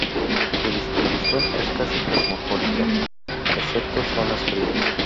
Su distribución es casi cosmopolita, excepto zonas frías.